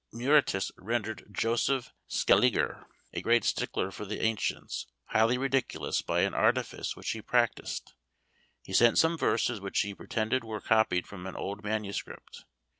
Muretus rendered Joseph Scaliger, a great stickler for the ancients, highly ridiculous by an artifice which he practised. He sent some verses which he pretended were copied from an old manuscript.